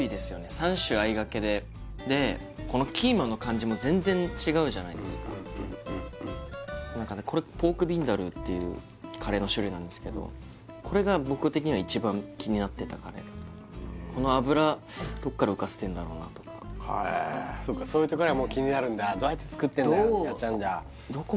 ３種合いがけででこのキーマの感じも全然違うじゃないですか何かねこれポークビンダルーっていうカレーの種類なんですけどこれが僕的には一番気になってたカレーこの油どっから浮かせてんだろうなとかそうかそういうところが気になるんだどうやって作ってんだよってなっちゃうんだ